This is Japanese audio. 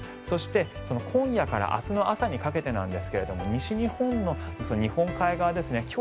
そして今夜から明日の朝にかけてなんですが西日本かつ日本海側ですね。